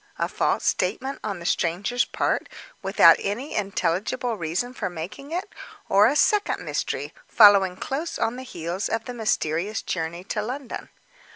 A false statement, on the stranger's part, without any intelligible reason for making it? Or a second mystery, following close on the heels of the mysterious journey to London?